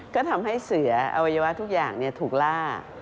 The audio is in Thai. ก็ทำให้เสืออวัยวะทุกอย่างถูกล่า